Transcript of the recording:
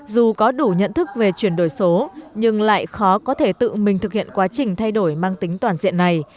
dù có đủ nhận thức về chuyển đổi số nhưng lại khó có thể tự mình thực hiện quá trình thay đổi mang tính toàn diện này